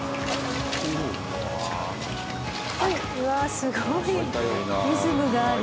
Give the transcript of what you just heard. うわあすごいリズムがある。